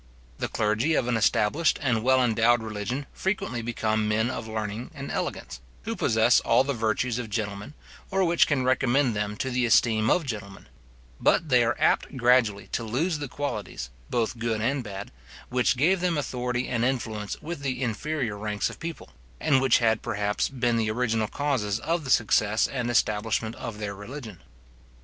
The clergy of an established and well endowed religion frequently become men of learning and elegance, who possess all the virtues of gentlemen, or which can recommend them to the esteem of gentlemen; but they are apt gradually to lose the qualities, both good and bad, which gave them authority and influence with the inferior ranks of people, and which had perhaps been the original causes of the success and establishment of their religion.